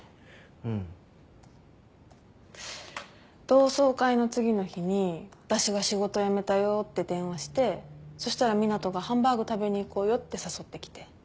同窓会の次の日に私が仕事辞めたよって電話してそしたら湊斗がハンバーグ食べに行こうよって誘ってきて。